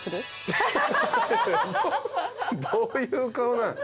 どういう顔？